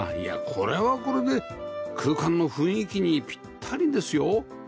これはこれで空間の雰囲気にピッタリですよ